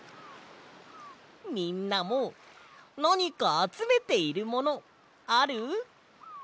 みんなもなにかあつめているものある？